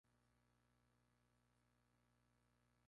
Este álbum recopila una edición en vivo.